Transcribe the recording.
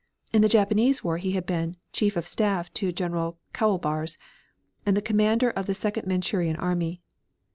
In the Japanese war he had been chief of staff to General Kaulbars, the commander of the Second Manchurian army.